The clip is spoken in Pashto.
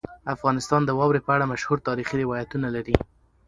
افغانستان د واورې په اړه مشهور تاریخي روایتونه لري.